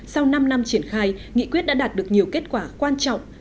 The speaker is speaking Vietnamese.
sau năm năm triển khai nghị quyết đã đạt được nhiều kết quả quan trọng